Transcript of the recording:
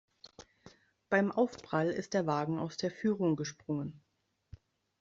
Beim Aufprall ist der Wagen aus der Führung gesprungen.